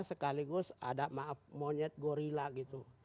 sekaligus ada maaf monyet gorilla gitu